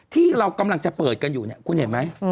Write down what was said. ที่เรากำลังจะเปิดกันอยู่เนี่ยคุณเห็นไหม